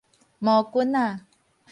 魔棍仔